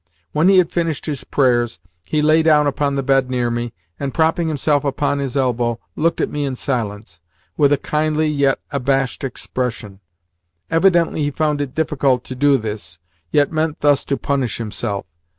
When he had finished his prayers, he lay down upon the bed near me, and, propping himself upon his elbow, looked at me in silence, with a kindly, yet abashed, expression. Evidently he found it difficult to do this, yet meant thus to punish himself.